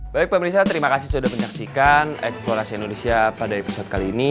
baik pemerintah terima kasih sudah menyaksikan eko kualitas indonesia pada episode kali ini